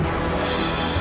apa urusan di dalam pahanan